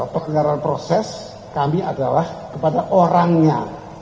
penyelenggaraan proses kami adalah kepada orangnya